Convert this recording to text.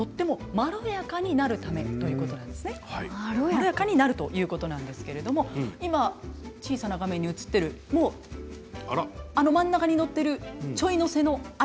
まろやかになるということなんですけれども今小さな画面に映っているもうあの真ん中に載っているちょい載せのあれですね。